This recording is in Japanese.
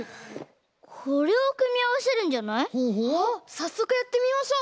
さっそくやってみましょう！